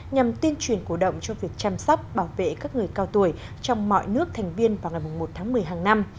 nhằm tuyên truyền cổ động cho việc chăm sóc bảo vệ các người cao tuổi trong mọi nước thành viên vào ngày một tháng một mươi hàng năm